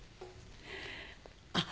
あっ。